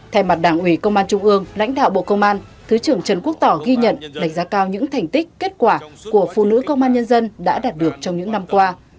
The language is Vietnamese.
thay mặt đảng ủy công an trung ương lãnh đạo bộ công an thứ trưởng trần quốc tỏ ghi nhận đánh giá cao những thành tích kết quả của phụ nữ công an nhân dân đã đạt được trong những năm qua